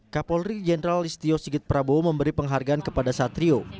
kapolri jenderal listio sigit prabowo memberi penghargaan kepada satrio